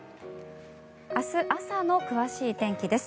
明日朝の詳しい天気です。